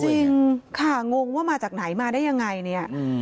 จริงค่ะงงว่ามาจากไหนมาได้ยังไงเนี่ย